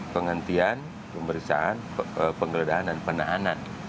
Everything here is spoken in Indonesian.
penghentian pemeriksaan penggeledahan dan penahanan